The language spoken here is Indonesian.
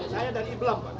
saya dari iblam